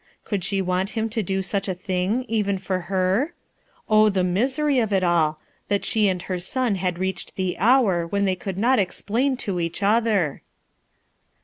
Could she want him to do such a thing even for her? Oh, the misery of it all! A STRANGE CHANGE 333 That she and her son had reached the hour hen they could not explain to each other